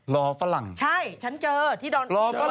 รอฝรั่งใช่ฉันเจอที่ดอนเมือง